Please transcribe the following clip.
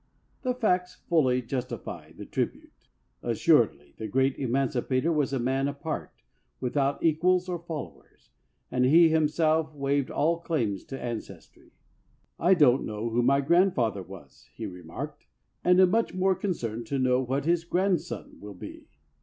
The facts fully justify the tribute. Assuredly the great Emancipator was a man apart, without equals or followers, and he him self waived all claims to ancestry. "I don't know who my grandfather was," he remarked; "and am much more concerned to know what his grandson will be."